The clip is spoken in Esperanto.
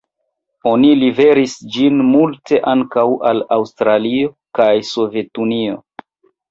Oni liveris ĝin multe ankaŭ al Aŭstralio kaj Sovetunio.